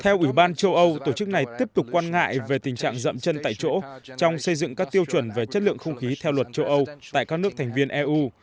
theo ủy ban châu âu tổ chức này tiếp tục quan ngại về tình trạng dậm chân tại chỗ trong xây dựng các tiêu chuẩn về chất lượng không khí theo luật châu âu tại các nước thành viên eu